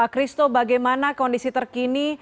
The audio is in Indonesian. kristo bagaimana kondisi terkini